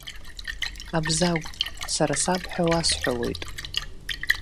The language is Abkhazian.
Абзагә, сара саб ҳәа уасҳәалоит.